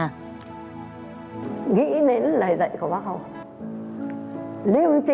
nghĩ đến lời dạy của bác hỏi